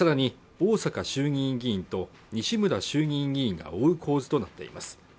逢坂衆議院議員と西村衆議院議員が追う構図となっています